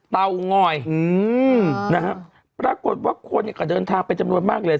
เตางอยนะฮะปรากฏว่าคนเนี่ยก็เดินทางเป็นจำนวนมากเลย